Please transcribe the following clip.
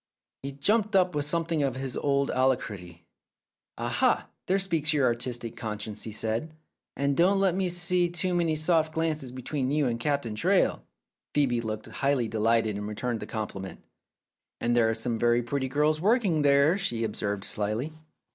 " He jumped up with something of his old alacrity. "Aha, there speaks your artistic conscience," he said. "And don't let me see too many soft glances between you and kind Captain Traill." Phcebe looked hugely delighted and returned the compliment. "And there are some very pretty girls working there," she observed slyly.